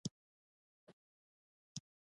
ممکن ډېر سټرس تجربه کړئ،